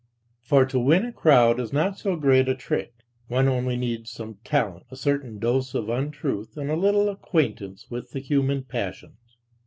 For to win a crowd is not so great a trick; one only needs some talent, a certain dose of untruth and a little acquaintance with the human passions.